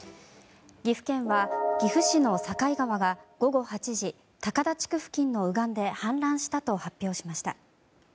岐阜県は岐阜市の境川が午後８時高田地区付近の右岸で氾濫したと発表しました。